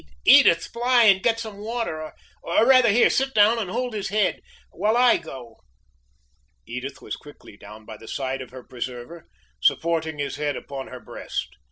Edith! fly and get some water! Or rather here! sit down and hold up his head while I go." Edith was quickly down by the side of her preserver, supporting his head upon her breast.